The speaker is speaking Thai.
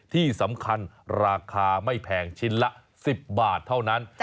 ที่สำคัญราคาไม่แพงชิ้นละ๑๐บาทเท่านั้น